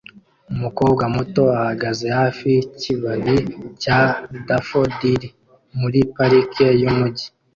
Umukobwa muto ahagaze hafi yikibabi cya dafodili muri parike yumujyi